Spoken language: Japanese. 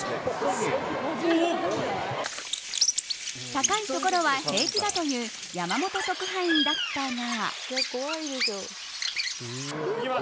高いところは平気だという山本特派員だったが。